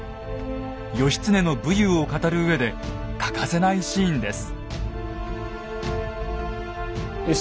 義経の武勇を語るうえで欠かせないシーンです。